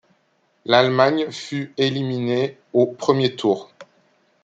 L'Allemagne fut éliminée au premier tour.